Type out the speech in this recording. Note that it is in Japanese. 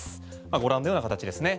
ご覧のような形ですね。